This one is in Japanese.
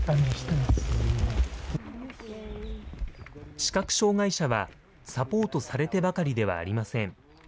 視覚障害者はサポートされてばかりではありません。